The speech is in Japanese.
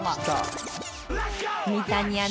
三谷アナ